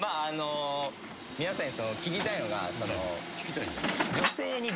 皆さんに聞きたいのが。